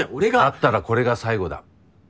だったらこれが最後だ。